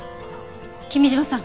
君嶋さん